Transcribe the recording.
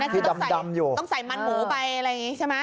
ที่ดำดำอยู่ต้องใส่มันหมูไปอะไรอย่างงี้ใช่ไหม